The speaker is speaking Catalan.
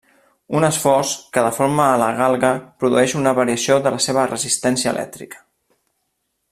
Un esforç que deforma a la galga produeix una variació de la seva resistència elèctrica.